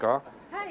はい。